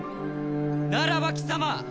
ならば貴様